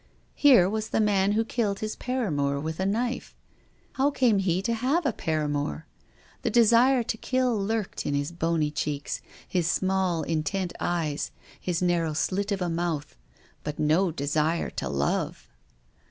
Here was the man who killed his paramour with a knife. How came he to have a paramour? The desire to kill lurked in his bony cheeks, his small, intent eyes, his narrow slit of a mouth, but no desire to love.